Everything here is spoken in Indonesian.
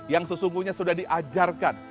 yang sesungguhnya sudah diajarkan